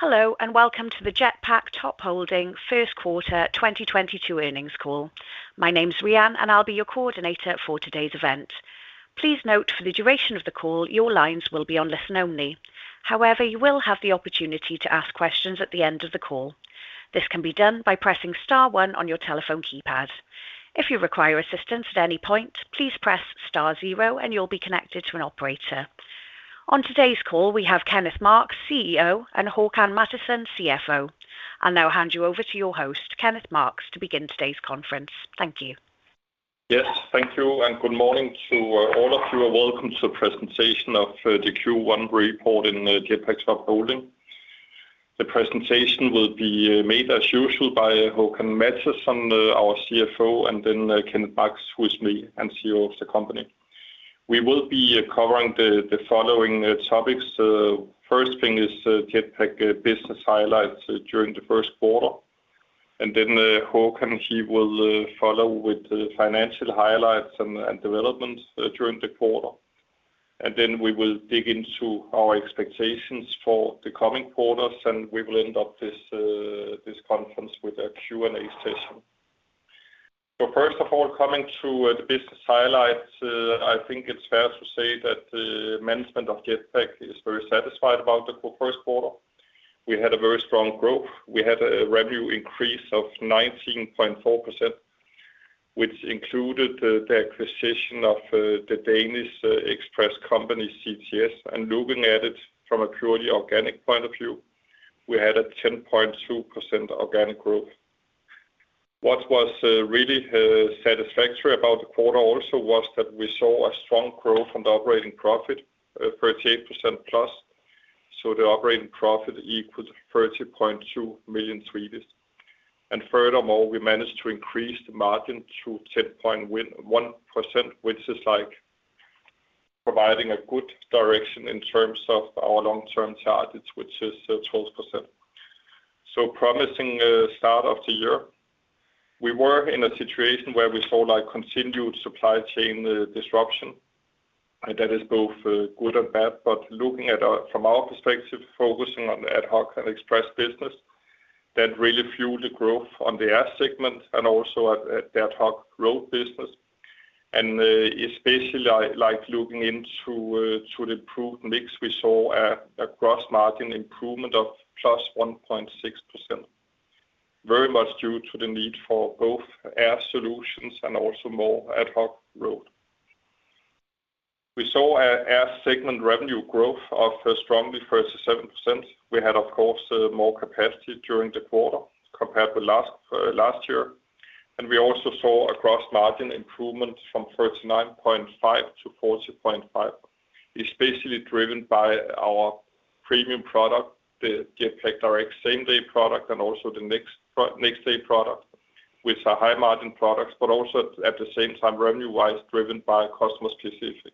Hello, and welcome to the Jetpak Top Holding first quarter 2022 earnings call. My name's Reyan, and I'll be your coordinator for today's event. Please note for the duration of the call, your lines will be on listen only. However, you will have the opportunity to ask questions at the end of the call. This can be done by pressing star one on your telephone keypad. If you require assistance at any point, please press star zero, and you'll be connected to an operator. On today's call, we have Kenneth Marx, CEO, and Håkan Mattisson, CFO. I'll now hand you over to your host, Kenneth Marx, to begin today's conference. Thank you. Yes. Thank you, and good morning to all of you, and welcome to the presentation of the Q1 report in Jetpak Top Holding. The presentation will be made as usual by Håkan Mattisson, our CFO, and then Kenneth Marx, who is me and CEO of the company. We will be covering the following topics. First thing is Jetpak business highlights during the first quarter, and then Håkan, he will follow with the financial highlights and developments during the quarter. We will dig into our expectations for the coming quarters, and we will end up this conference with a Q&A session. First of all, coming to the business highlights, I think it's fair to say that the management of Jetpak is very satisfied about the first quarter. We had a very strong growth. We had a revenue increase of 19.4%, which included the acquisition of the Danish express company, CTS Express. Looking at it from a purely organic point of view, we had a 10.2% organic growth. What was really satisfactory about the quarter also was that we saw a strong growth on the operating profit, 38%+. The operating profit equals 30.2 million. Furthermore, we managed to increase the margin to 10.1%, which is like providing a good direction in terms of our long-term targets, which is 12%. Promising start of the year. We were in a situation where we saw, like, continued supply chain disruption, and that is both good and bad. Looking at from our perspective, focusing on the ad hoc and express business, that really fueled the growth on the air segment and also at the ad hoc road business. Especially I like looking into the improved mix, we saw a gross margin improvement of +1.6%, very much due to the need for both air solutions and also more ad hoc road. We saw an air segment revenue growth of strong 37%. We had, of course, more capacity during the quarter compared to last year. We also saw a gross margin improvement from 39.5% - 40.5%, especially driven by our premium product, the Jetpak Direct same-day product and also the next-day product, which are high margin products, but also at the same time, revenue-wise, driven by customer specific.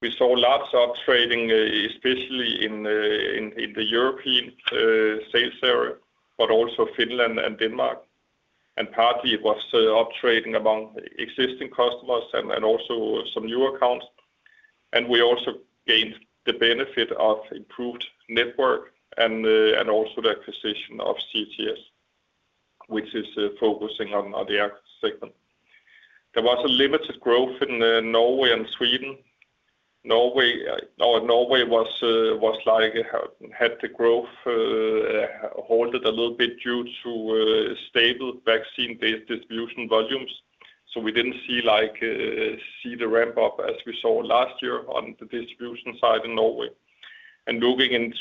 We saw lots of uptrading, especially in the European sales area, but also Finland and Denmark. Partly it was uptrading among existing customers and also some new accounts. We also gained the benefit of improved network and also the acquisition of CTS, which is focusing on the air segment. There was limited growth in Norway and Sweden. Norway was like had the growth halted a little bit due to stable vaccine-based distribution volumes. We didn't see, like, the ramp up as we saw last year on the distribution side in Norway. Looking into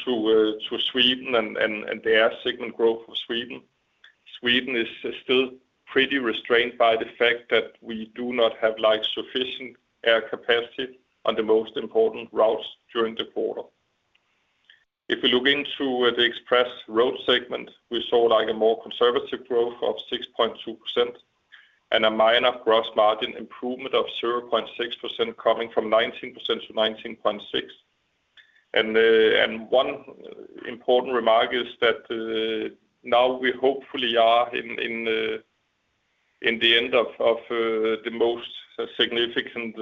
Sweden and the air segment growth of Sweden is still pretty restrained by the fact that we do not have, like, sufficient air capacity on the most important routes during the quarter. If we look into the Express Road segment, we saw like a more conservative growth of 6.2% and a minor gross margin improvement of 0.6% coming from 19% - 19.6%. One important remark is that now we hopefully are in the end of the most significant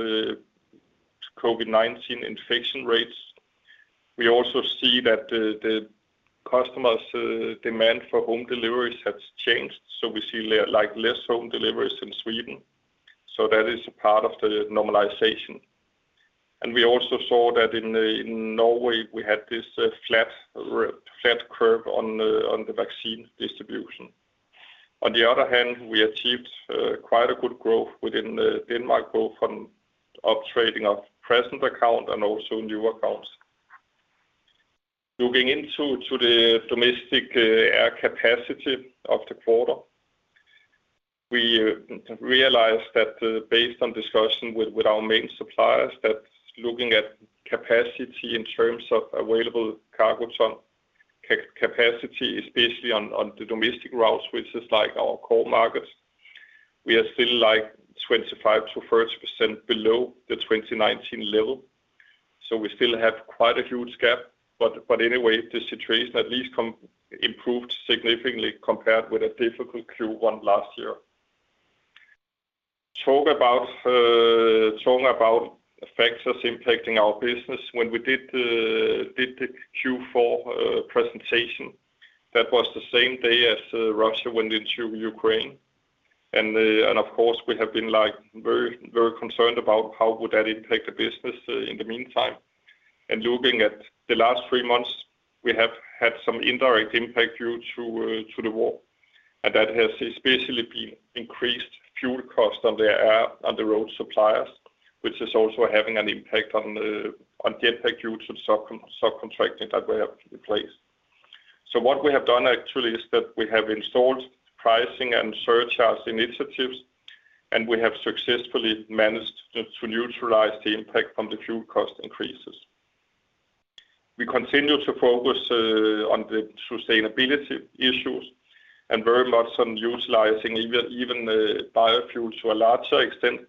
COVID-19 infection rates. We also see that the customers demand for home deliveries has changed. We see like less home deliveries in Sweden. That is a part of the normalization. We also saw that in Norway, we had this flat curve on the vaccine distribution. On the other hand, we achieved quite a good growth within Denmark on uptrading of existing accounts and also new accounts. Looking into the domestic air capacity of the quarter, we realized that based on discussions with our main suppliers, that looking at capacity in terms of available cargo ton capacity, especially on the domestic routes, which is like our core markets, we are still like 25%-30% below the 2019 level. We still have quite a huge gap. The situation at least improved significantly compared with a difficult Q1 last year. Talk about effects that's impacting our business. When we did the Q4 presentation, that was the same day as Russia went into Ukraine. Of course, we have been like very concerned about how would that impact the business in the meantime. Looking at the last three months, we have had some indirect impact due to the war. That has especially been increased fuel cost on the air, on the road suppliers, which is also having an impact on the impact due to subcontracting that we have in place. What we have done actually is that we have installed pricing and surcharges initiatives, and we have successfully managed to neutralize the impact from the fuel cost increases. We continue to focus on the sustainability issues and very much on utilizing even the biofuels to a larger extent.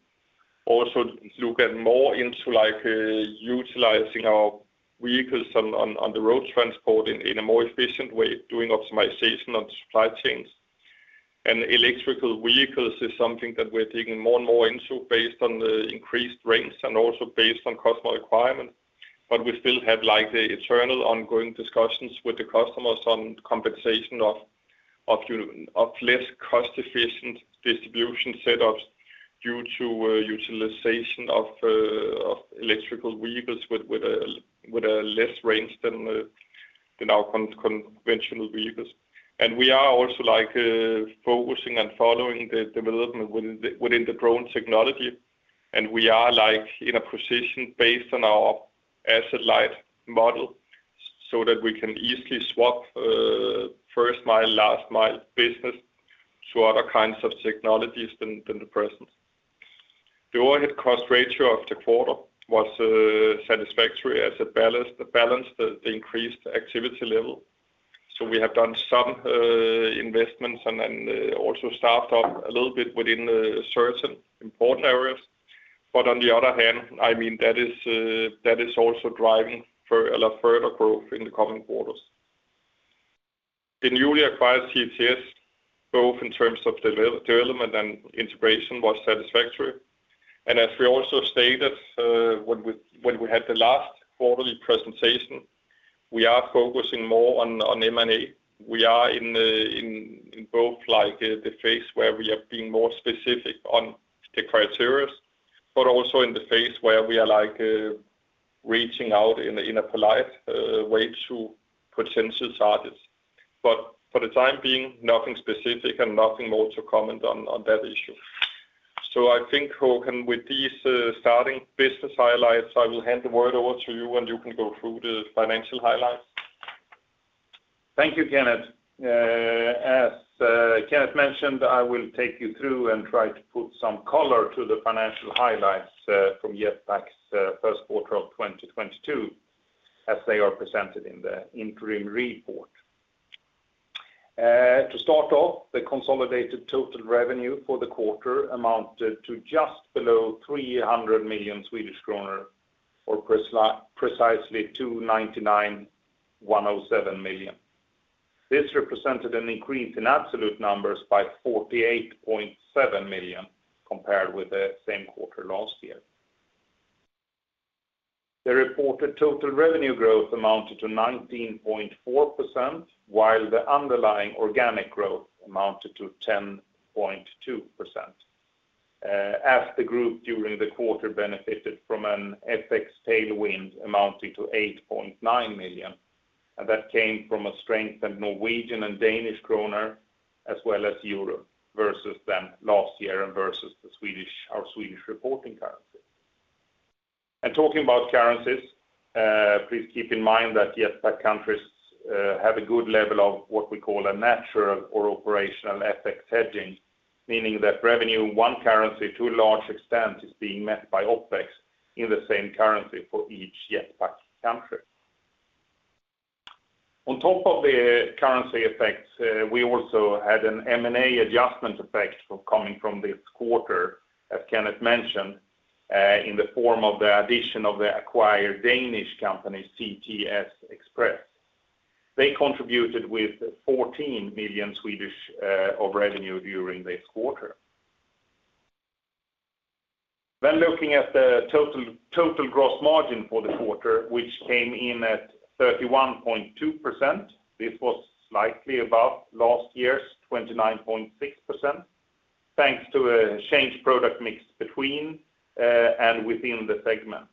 Also, looking more into, like, utilizing our vehicles on the road transport in a more efficient way, doing optimization on supply chains. Electric vehicles is something that we're taking more and more into based on the increased range and also based on customer requirements. We still have, like, the eternal ongoing discussions with the customers on compensation of less cost-efficient distribution setups due to utilization of electric vehicles with a less range than our conventional vehicles. We are also, like, focusing and following the development within the drone technology. We are, like, in a position based on our asset-light model so that we can easily swap first mile, last mile business to other kinds of technologies than the present. The overhead cost ratio of the quarter was satisfactory as it balanced the increased activity level. We have done some investments and then also staffed up a little bit within the certain important areas. On the other hand, I mean, that is also driving for a lot further growth in the coming quarters. The newly acquired CTS, both in terms of development and integration was satisfactory. As we also stated when we had the last quarterly presentation, we are focusing more on M&A. We are in both, like, the phase where we have been more specific on the criteria, but also in the phase where we are, like, reaching out in a polite way to potential targets. For the time being, nothing specific and nothing more to comment on that issue. I think, Håkan, with these starting business highlights, I will hand the word over to you, and you can go through the financial highlights. Thank you, Kenneth. As Kenneth mentioned, I will take you through and try to put some color to the financial highlights from Jetpak's first quarter of 2022 as they are presented in the interim report. To start off, the consolidated total revenue for the quarter amounted to just below 300 million Swedish kronor or precisely 299.107 million. This represented an increase in absolute numbers by 48.7 million compared with the same quarter last year. The reported total revenue growth amounted to 19.4%, while the underlying organic growth amounted to 10.2%, as the group during the quarter benefited from an FX tailwind amounting to 8.9 million. That came from a strength in Norwegian and Danish krona as well as Euro versus the last year and versus the Swedish, our Swedish reporting currency. Talking about currencies, please keep in mind that Jetpak countries have a good level of what we call a natural or Operational FX hedging, meaning that revenue in one currency to a large extent is being met by OpEx in the same currency for each Jetpak country. On top of the currency effects, we also had an M&A adjustment effect coming from this quarter, as Kenneth mentioned, in the form of the addition of the acquired Danish company, CTS Express. They contributed with 14 million of revenue during this quarter. Looking at the total gross margin for the quarter, which came in at 31.2%. This was slightly above last year's 29.6%, thanks to a changed product mix between and within the segments.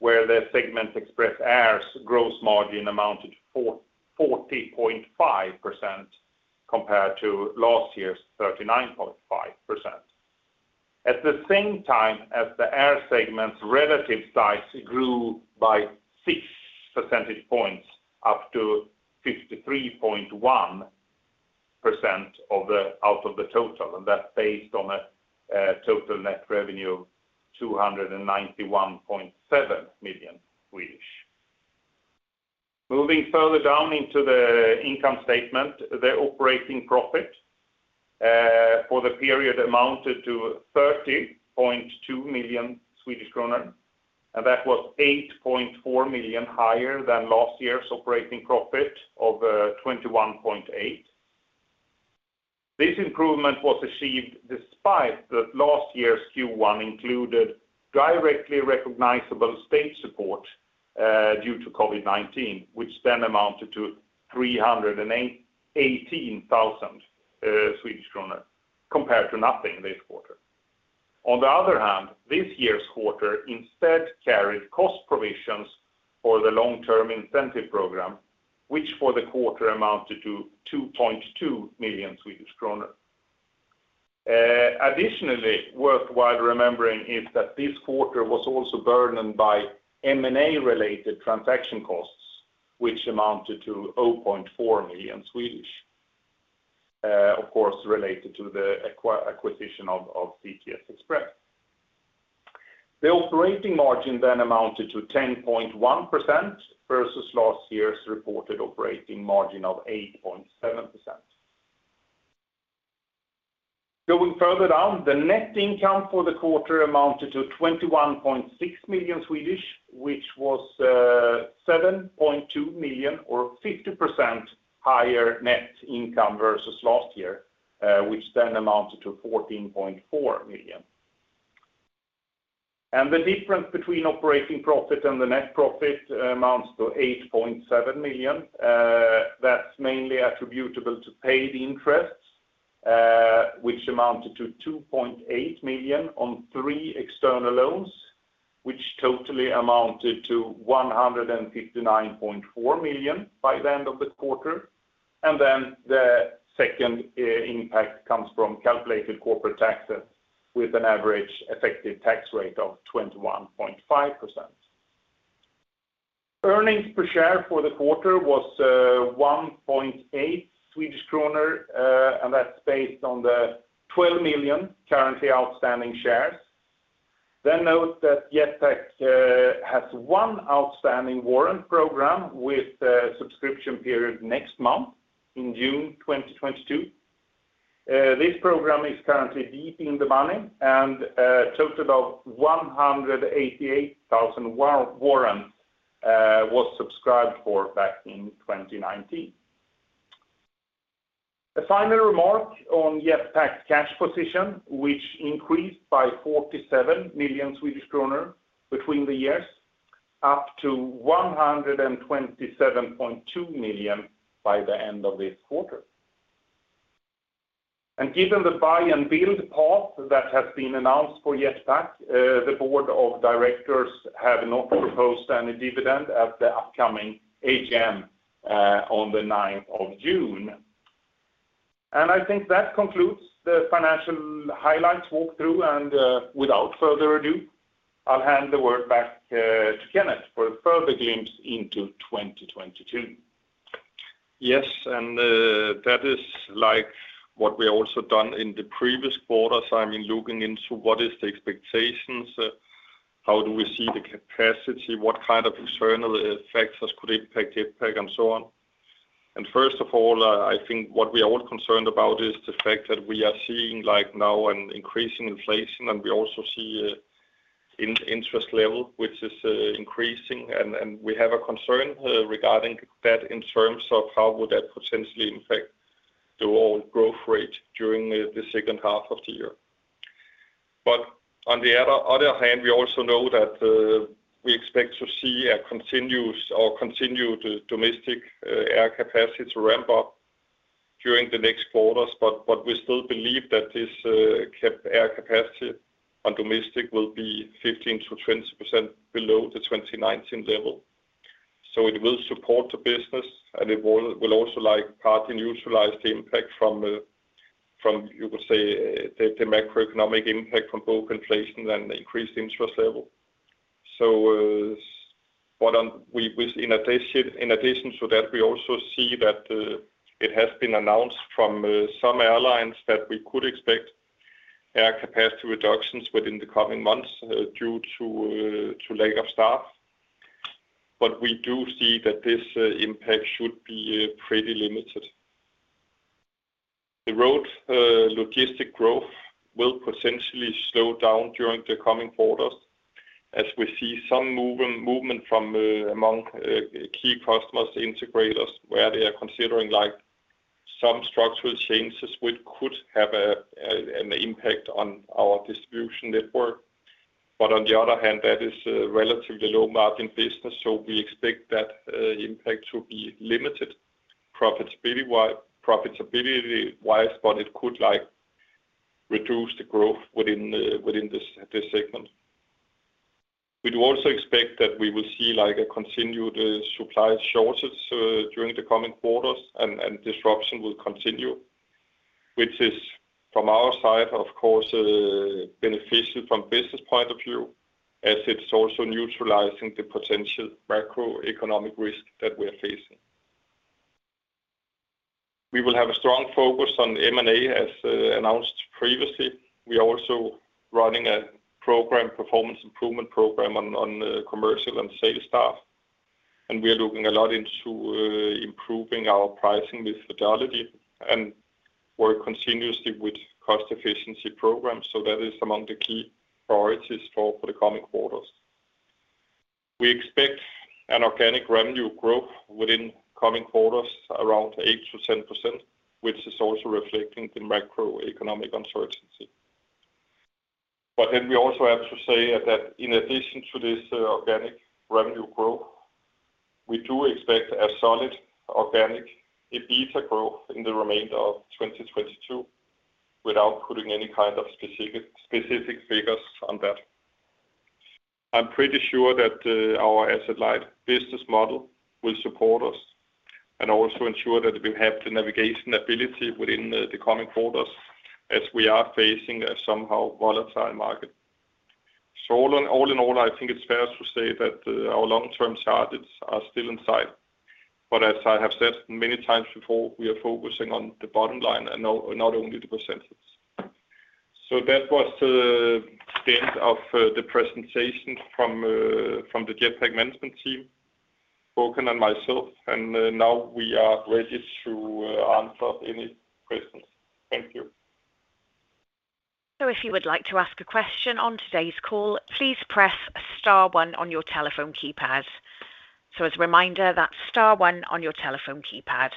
The segment Express Air's gross margin amounted 40.5% compared to last year's 39.5%. At the same time as the Air segment's relative size grew by 6% up to 53.1% out of the total, and that's based on a total net revenue of 291.7 million Swedish. Moving further down into the income statement, the operating profit for the period amounted to 30.2 million Swedish krona. That was 8.4 million higher than last year's operating profit of 21.8 million. This improvement was achieved despite that last year's Q1 included directly recognizable state support due to COVID-19, which then amounted to 318 thousand Swedish kronor compared to nothing this quarter. On the other hand, this year's quarter instead carried cost provisions for the long-term incentive program, which for the quarter amounted to 2.2 million Swedish kronor. Additionally, worthwhile remembering is that this quarter was also burdened by M&A-related transaction costs, which amounted to 0.4 million, of course, related to the acquisition of CTS Express. The operating margin then amounted to 10.1% versus last year's reported operating margin of 8.7%. Going further down, the net income for the quarter amounted to 21.6 million, which was 7.2 million or 50% higher net income versus last year, which then amounted to 14.4 million. The difference between operating profit and the net profit amounts to 8.7 million, that's mainly attributable to paid interests, which amounted to 2.8 million on three external loans, which totally amounted to 159.4 million by the end of the quarter. The second impact comes from calculated corporate taxes with an average effective tax rate of 21.5%. Earnings per share for the quarter was 1.8 Swedish kronor, and that's based on the 12 million currently outstanding shares. Note that Jetpak has one outstanding warrant program with a subscription period next month in June 2022. This program is currently deep in the money and a total of 188,000 warrants was subscribed for back in 2019. A final remark on Jetpak's cash position, which increased by 47 million Swedish kronor between the years, up to 127.2 million by the end of this quarter. Given the buy and build path that has been announced for Jetpak, the board of directors have not proposed any dividend at the upcoming AGM on the ninth of June. I think that concludes the financial highlights walkthrough, and without further ado, I'll hand the word back to Kenneth for a further glimpse into 2022. Yes, that is like what we have also done in the previous quarters. I mean, looking into what is the expectations, how do we see the capacity, what kind of external effects could impact Jetpak and so on. First of all, I think what we are all concerned about is the fact that we are seeing like now an increasing inflation, and we also see an interest level which is increasing. We have a concern regarding that in terms of how would that potentially impact the overall growth rate during the second half of the year. On the other hand, we also know that we expect to see a continuous or continued domestic air capacity to ramp up during the next quarters, but we still believe that this air capacity on domestic will be 15%-20% below the 2019 level. It will support the business, and it will also like partly neutralize the impact from you could say the macroeconomic impact from both inflation and increased interest level. In addition to that, we also see that it has been announced from some airlines that we could expect air capacity reductions within the coming months due to lack of staff. We do see that this impact should be pretty limited. The road logistic growth will potentially slow down during the coming quarters, as we see some movement from among key customers, the integrators, where they are considering like some structural changes which could have an impact on our distribution network. On the other hand, that is a relatively low-margin business, so we expect that impact to be limited profitability-wise, but it could like reduce the growth within this segment. We do also expect that we will see like a continued supply shortage during the coming quarters and disruption will continue, which is from our side, of course, beneficial from business point of view, as it's also neutralizing the potential macroeconomic risk that we're facing. We will have a strong focus on M&A, as announced previously. We are also running a performance improvement program on commercial and sales staff. We are looking a lot into improving our pricing with fidelity and work continuously with cost efficiency programs. That is among the key priorities for the coming quarters. We expect an organic revenue growth in the coming quarters around 8%-10%, which is also reflecting the macroeconomic uncertainty. We also have to say that in addition to this organic revenue growth, we do expect a solid organic EBITDA growth in the remainder of 2022 without putting any kind of specific figures on that. I'm pretty sure that our asset-light business model will support us and also ensure that we have the navigation ability within the coming quarters as we are facing a somehow volatile market. All in all, I think it's fair to say that our long-term targets are still in sight. As I have said many times before, we are focusing on the bottom line and not only the percentages. That was the end of the presentation from the Jetpak management team, Håkan and myself. Now we are ready to answer any questions. Thank you. If you would like to ask a question on today's call, please press star one on your telephone keypad. As a reminder, that's star one on your telephone keypad.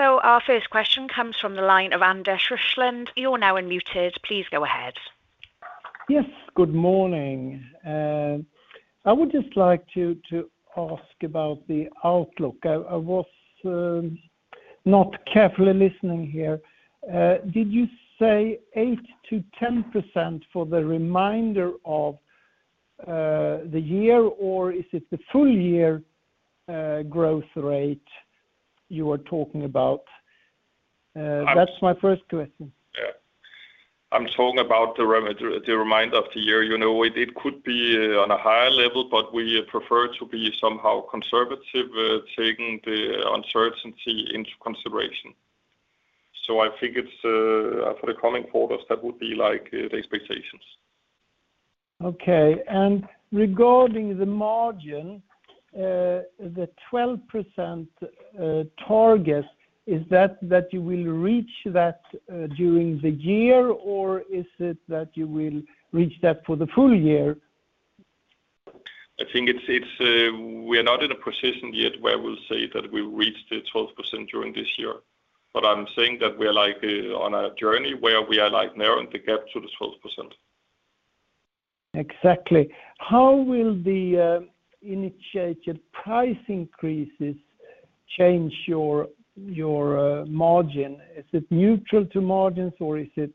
Our first question comes from the line of Anders Rislund. You're now unmuted. Please go ahead. Yes. Good morning. I would just like to ask about the outlook. I was not carefully listening here. Did you say 8%-10% for the remainder of the year, or is it the full year growth rate you are talking about? I'm- That's my first question. Yeah. I'm talking about the remainder of the year. You know, it could be on a higher level, but we prefer to be somehow conservative, taking the uncertainty into consideration. I think it's for the coming quarters, that would be like the expectations. Okay. Regarding the margin, the 12% target, is that you will reach that during the year, or is it that you will reach that for the full year? I think it's we are not in a position yet where we'll say that we will reach the 12% during this year. I'm saying that we are like on a journey where we are like narrowing the gap to this 12%. Exactly. How will the initiated price increases change your margin? Is it neutral to margins or is it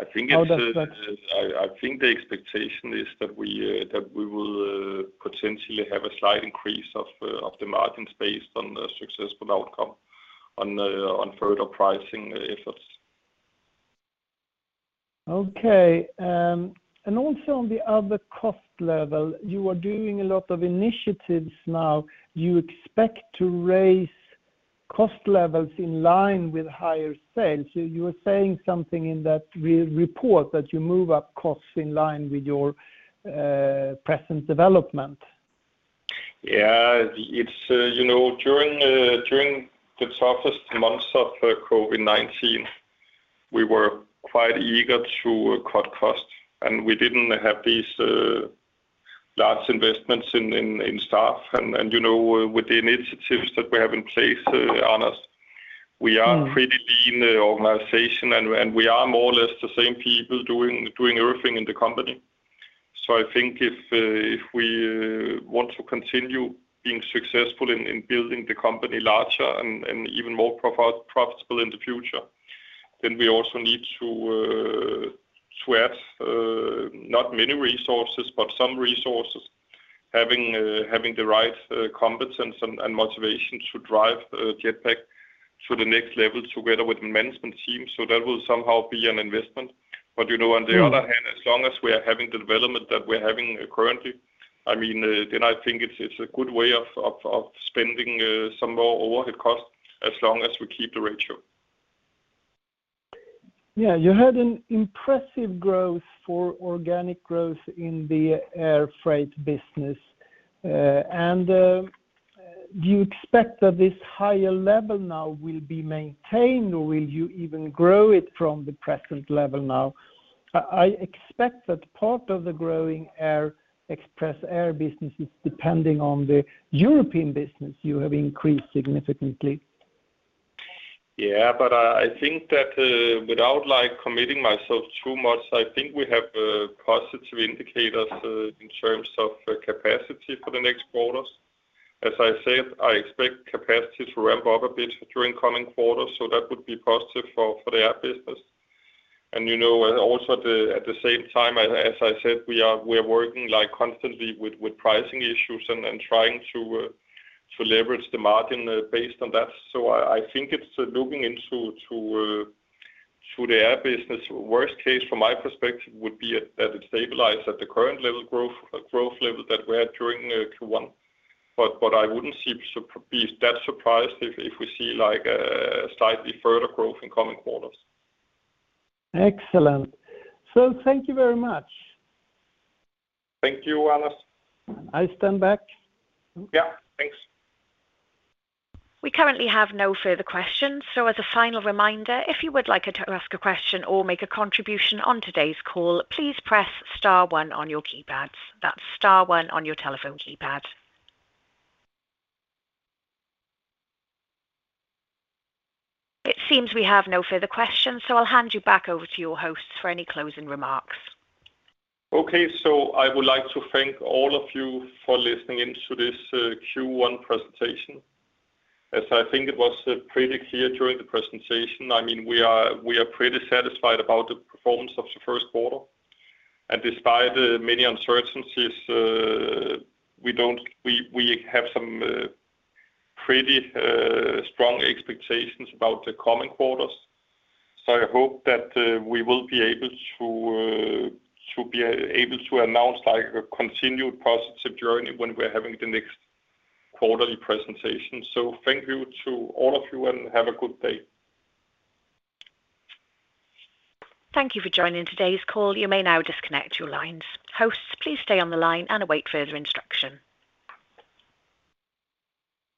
I think it's- How does that? I think the expectation is that we will potentially have a slight increase of the margins based on the successful outcome on further pricing efforts. Okay. Also on the other cost level, you are doing a lot of initiatives now. You expect to raise cost levels in line with higher sales. You were saying something in that report that you move up costs in line with your present development. Yeah. It's, you know, during the toughest months of COVID-19, we were quite eager to cut costs, and we didn't have these large investments in staff. You know, with the initiatives that we have in place, Anders. Mm. We are pretty lean organization, and we are more or less the same people doing everything in the company. I think if we want to continue being successful in building the company larger and even more profitable in the future, then we also need to have not many resources, but some resources. Having the right competence and motivation to drive Jetpak to the next level together with the management team. That will somehow be an investment. You know. Mm. On the other hand, as long as we are having the development that we're having currently, I mean, then I think it's a good way of spending some more overhead costs as long as we keep the ratio. Yeah. You had an impressive growth for organic growth in the air freight business. Do you expect that this higher level now will be maintained, or will you even grow it from the present level now? I expect that part of the growing Express Air business is depending on the European business you have increased significantly. Yeah. I think that without like committing myself too much, I think we have positive indicators in terms of capacity for the next quarters. I expect capacity to ramp up a bit during coming quarters, so that would be positive for the air business. You know, also at the same time, as I said, we're working like constantly with pricing issues and trying to leverage the margin based on that. I think it's looking into the air business. Worst case from my perspective would be that it stabilize at the current level growth level that we had during Q1. What I wouldn't see be that surprised if we see like slightly further growth in coming quarters. Excellent. Thank you very much. Thank you, Anders. I stand back. Yeah, thanks. We currently have no further questions. As a final reminder, if you would like to ask a question or make a contribution on today's call, please press star one on your keypads. That's star one on your telephone keypad. It seems we have no further questions, so I'll hand you back over to your hosts for any closing remarks. Okay. I would like to thank all of you for listening in to this Q1 presentation. As I think it was pretty clear during the presentation, I mean, we are pretty satisfied about the performance of the first quarter. Despite the many uncertainties, we have some pretty strong expectations about the coming quarters. I hope that we will be able to announce like a continued positive journey when we're having the next quarterly presentation. Thank you to all of you and have a good day. Thank you for joining today's call. You may now disconnect your lines. Hosts, please stay on the line and await further instruction.